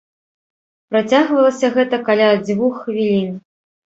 Працягвалася гэта каля дзвюх хвілін.